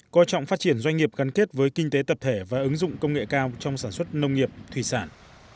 coi trọng phát triển doanh nghiệp gắn kết với kinh tế tập thể và ứng dụng công nghệ cao trong sản xuất nông nghiệp thủy sản